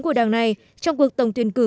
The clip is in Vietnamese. của đảng này trong cuộc tổng tuyển cử